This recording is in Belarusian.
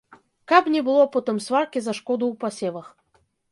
Каб не было потым сваркі за шкоду ў пасевах.